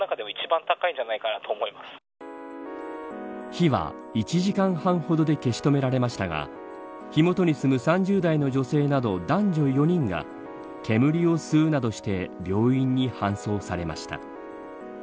火は１時間半ほどで消し止められましたが火元に住む３０代の女性など男女４人が、煙を吸うなどして病院に搬送されました。